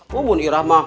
wabun ira mah